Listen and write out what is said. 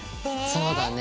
そうだね。